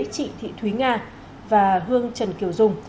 trị thị thúy nga và hương trần kiều dung